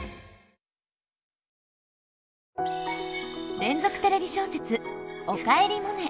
連続テレビ小説「おかえりモネ」。